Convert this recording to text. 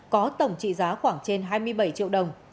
có tổng trị giá khoảng trên hai mươi bảy triệu đồng